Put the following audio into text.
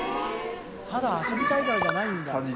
ただ遊びたいからじゃないんだ。